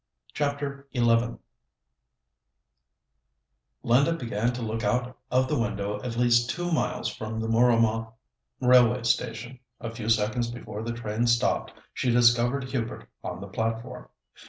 CHAPTER XI Linda began to look out of the window at least two miles from the Mooramah railway station. A few seconds before the train stopped, she discovered Hubert on the platform.